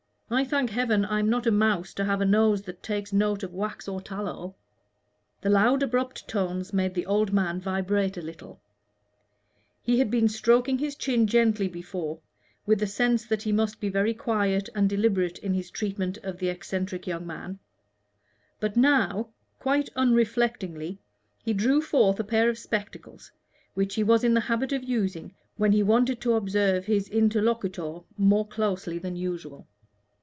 I thank Heaven I am not a mouse to have a nose that takes note of wax or tallow." The loud abrupt tones made the old man vibrate a little. He had been stroking his chin gently before, with a sense that he must be very quiet and deliberate in his treatment of the eccentric young man; but now, quite unreflectingly, he drew forth a pair of spectacles, which he was in the habit of using when he wanted to observe his interlocutor more closely than usual.